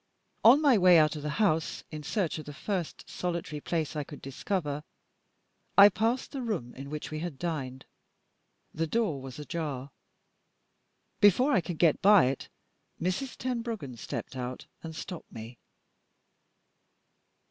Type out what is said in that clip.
On my way out of the house, in search of the first solitary place that I could discover, I passed the room in which we had dined. The door was ajar. Before I could get by it, Mrs. Tenbruggen stepped out and stopped me.